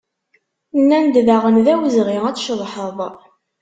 Nnan-d daɣen d awezɣi ad tceḍḥeḍ.